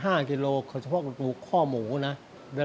กล่าวค้านถึงกุ้ยเตี๋ยวลุกชิ้นหมูฝีมือลุงส่งมาจนถึงทุกวันนี้นั่นเองค่ะ